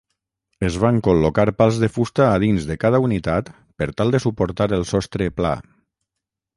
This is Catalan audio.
Es van col·locar pals de fusta a dins de cada unitat per tal de suportar el sostre pla.